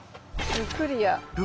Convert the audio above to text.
ルクリア？